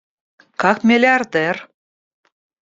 Как миллиардер!